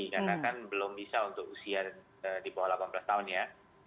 karena kan belum bisa untuk usia di bawah delapan belas tahun ya